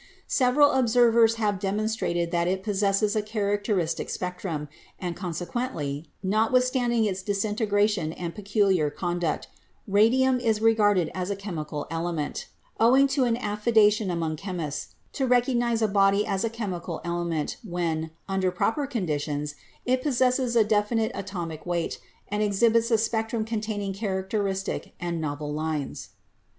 Several observers have demon strated that it possesses a characteristic spectrum, and consequently, notwithstanding its disintegration and pe culiar conduct, radium is regarded as a chemical element, MODERN INORGANIC CHEMISTRY 263 owing to an affidation among chemists to recognize a body as a chemical element when, under proper conditions, it possesses a definite atomic weight and exhibits a spectrum containing characteristic and novel lines.